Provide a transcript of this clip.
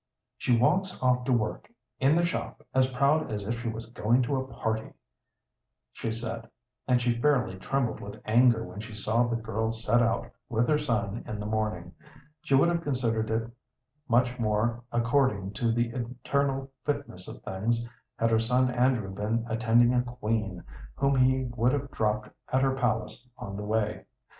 "She walks off to work in the shop as proud as if she was going to a party," she said, and she fairly trembled with anger when she saw the girl set out with her son in the morning. She would have considered it much more according to the eternal fitness of things had her son Andrew been attending a queen whom he would have dropped at her palace on the way.